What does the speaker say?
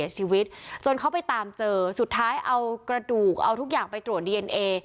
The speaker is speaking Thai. ชีวิตจนเขาไปตามเจอสุดท้ายเอากระดูกเอาทุกอย่างไปตรวจดีเอนเอ